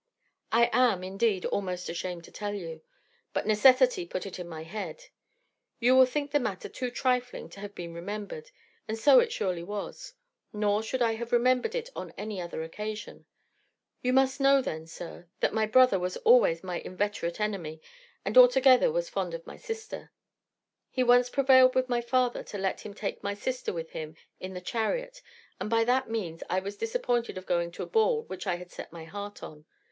I am, indeed, almost ashamed to tell you; but necessity put it in my head. You will think the matter too trifling to have been remembered, and so it surely was; nor should I have remembered it on any other occasion. You must know then, sir, that my brother was always my inveterate enemy and altogether as fond of my sister. He once prevailed with my father to let him take my sister with him in the chariot, and by that means I was disappointed of going to a ball which I had set my heart on.